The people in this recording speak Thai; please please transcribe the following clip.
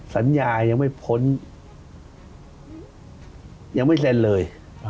สัญญายังไม่พ้นยังไม่เซ็นเลย